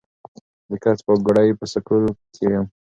د کڅ پاګوړۍ پۀ سکول کښې يم